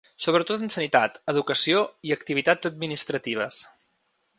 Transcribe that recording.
Sobretot en sanitat, educació i activitats administratives.